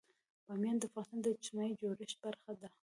بامیان د افغانستان د اجتماعي جوړښت برخه ده.